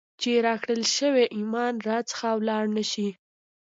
چي راکړل سوئ ایمان را څخه ولاړ نسي ،